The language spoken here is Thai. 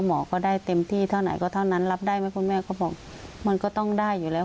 หมอก็ได้เต็มที่เท่าไหนก็เท่านั้นรับได้ไหมคุณแม่ก็บอกมันก็ต้องได้อยู่แล้ว